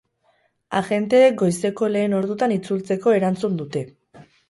Agenteek goizeko lehen ordutan itzultzeko erantzun dute.